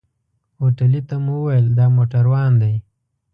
هوټلي ته مو وويل دا موټروان دی.